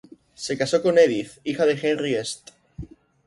Se casó con Edith, hija de Henry St.